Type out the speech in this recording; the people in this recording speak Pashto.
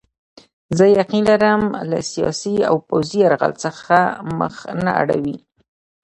زه یقین لرم له سیاسي او پوځي یرغل څخه مخ نه اړوي.